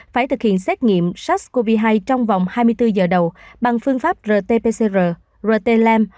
phải thực hiện xét nghiệm sars cov hai trong vòng hai mươi bốn giờ đầu bằng phương pháp rt pcr rt lam